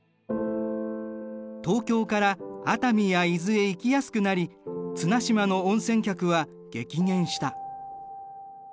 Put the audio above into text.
東京から熱海や伊豆へ行きやすくなり綱島の温泉客は激減した。